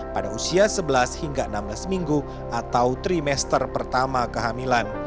pada usia sebelas hingga enam belas minggu atau trimester pertama kehamilan